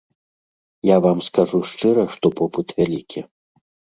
Я вам скажу шчыра, што попыт вялікі.